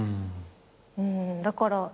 うんだから意外。